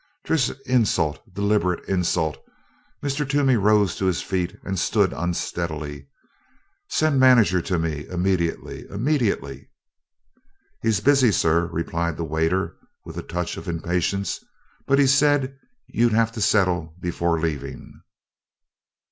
"Thish is insult d'lib'rate insult." Mr. Toomey rose to his feet and stood unsteadily. "Send manager to me immedially immedially!" "He's busy, sir," replied the waiter with a touch of impatience, "but he said you'd have to settle before leaving."